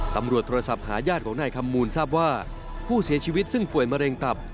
ตำรวจโทรศัพท์หาญาติของนายคำมูลทราบว่าผู้เสียชีวิตซึ่งป่วยมะเร็งตับ